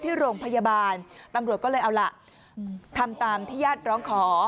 ที่โรงพยาบาลตำรวจก็เลยเอาล่ะทำตามที่ญาติร้องขอ